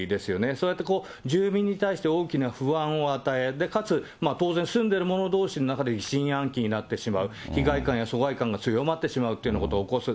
そうやって住民に対して大きな不安を与え、かつ当然住んでいる者どうしの中で疑心暗鬼になってしまう、被害感や疎外感が強まってしまうっていうようなことを起こす。